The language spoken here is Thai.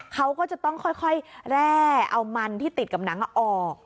เขาก็จะต้องค่อยแร่เอามันที่ติดกับหนังออก